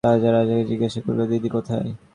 তাতা রাজাকে জিজ্ঞাসা করিল, দিদি কোথায়?